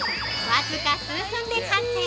◆わずか数分で完成！